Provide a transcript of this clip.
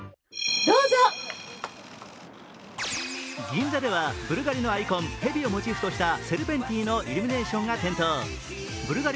銀座ではブルガリのアイコン、蛇をモチーフとしたセルペンティのイルミネーションが登場。